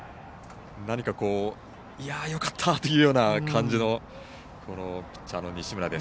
よかったというような感じのピッチャーの西村です。